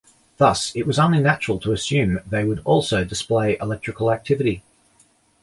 Thus, it was only natural to assume that they would also display electrical activity.